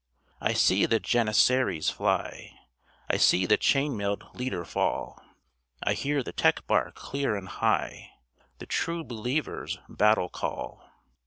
I see the Janissaries fly, I see the chain mailed leader fall, I hear the Tekbar clear and high, The true believer's battle call.